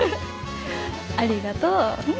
ありがとう。